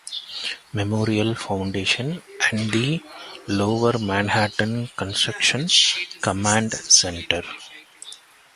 Memorial Foundation, and the Lower Manhattan Construction Command Center.